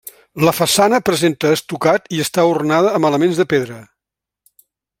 La façana presenta estucat i està ornada amb elements de pedra.